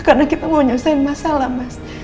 karena kita mau nyelesain masalah mas